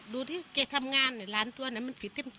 ดูที่แกทำงานไอ้หลานตัวนั้นมันผิดเต็ม